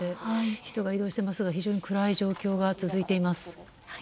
人が移動していますが非常に暗い状況が続いています。